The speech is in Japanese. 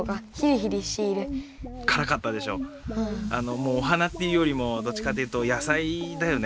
もうお花っていうよりもどっちかっていうと野菜だよね。